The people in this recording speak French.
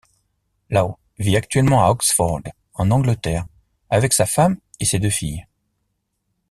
Law vit actuellement à Oxford, en Angleterre, avec sa femme et ses deux filles.